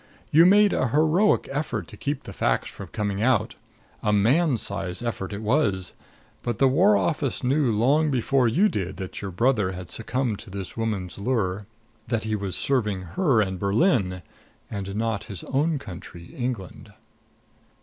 You made a heroic effort to keep the facts from coming out a man's size effort it was. But the War Office knew long before you did that your brother had succumbed to this woman's lure that he was serving her and Berlin, and not his own country, England."